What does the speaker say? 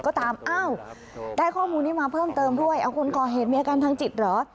ก็ตามอ้าวได้ข้อมูลนี้มาเพิ่มเติมด้วยเอาคนก่อเหตุมีอาการทางจิตเหรอ